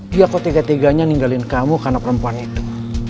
dia kok tiga tiganya ninggalin kamu karena perempuan itu